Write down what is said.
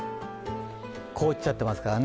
凍っちゃってますからね。